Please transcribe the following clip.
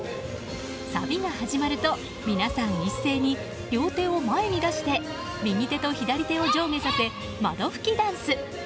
サビが始まると皆さん、一斉に両手を前に出して右手と左手を上下させて窓拭きダンス。